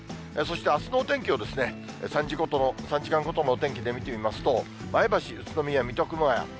そしてあすのお天気を、３時間ごとのお天気で見てみますと、前橋、宇都宮、水戸、熊谷。